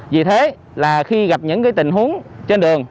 vì thế là khi gặp những tình huống trên đường